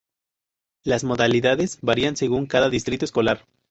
Las modalidades varían según cada distrito escolar.